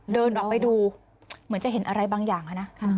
เดินออกไปดูเหมือนจะเห็นอะไรบางอย่างนะ